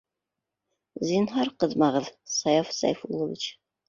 Зинһар, ҡыҙмағыҙ, Саяф Сәйфуллович...